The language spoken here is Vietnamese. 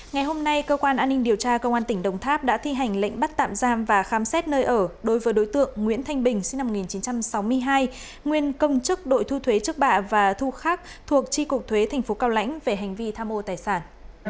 ngày hôm nay cơ quan an ninh điều tra công an tỉnh đồng tháp đã thi hành lệnh bắt tạm giam và khám xét nơi ở đối với đối tượng nguyễn thanh bình sinh năm một nghìn chín trăm sáu mươi hai nguyên công chức đội thu thuế trước bạ và thu khác thuộc tri cục thuế tp cao lãnh về hành vi tham ô tài sản